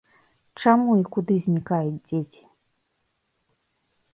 Чаму і куды знікаюць дзеці?